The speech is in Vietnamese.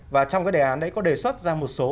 và trong cái đề án đấy có đề xuất ra một số